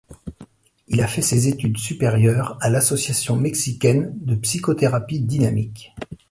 Il a fait ses études supérieures à l'Association mexicaine de Psychothérapie Dynamique.